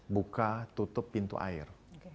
buka tutup pintu air